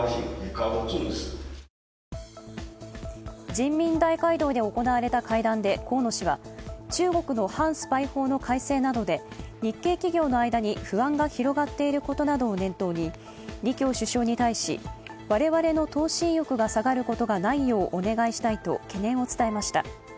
人民大会堂で行われた会談で河野氏は中国の反スパイ法の改正などで日系企業の間に不安が広がっていることなどを念頭に李強首相に対し、我々の投資意欲が下がることがないようお願いしたいと懸念を伝えました。